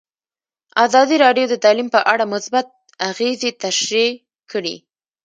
ازادي راډیو د تعلیم په اړه مثبت اغېزې تشریح کړي.